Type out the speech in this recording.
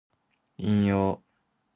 引用